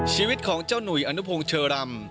ชีวิตของเจ้าหนุ่ยอนุพงศ์เชอรำ